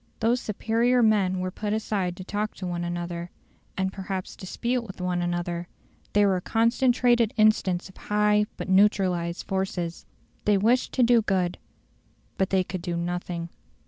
Those superior men were put aside to talk to one another, and perhaps dispute with one another; they were a concentrated instance of high but neutralised forces. They wished to do good, but they could do nothing.